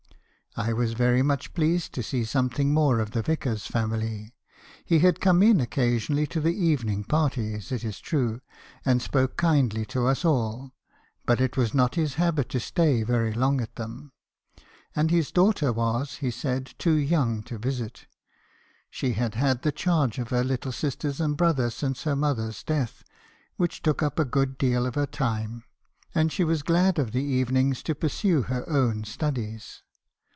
I was very much pleased to see something more of the vicar's family. He had come in occasionally to the evening parties, it is true; and spoken kindly to us all; but it was not his habit to stay veiy long at them. And his daughter was, he said, too young to visit. She had had the charge of her little sisters and brother since her mother's death, which took up a good deal of her time, and she was glad of the even ings to pursue her own studies.